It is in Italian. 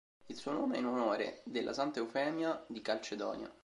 Il suo nome è in onore della santa Eufemia di Calcedonia.